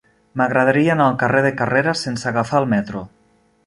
M'agradaria anar al carrer de Carrera sense agafar el metro.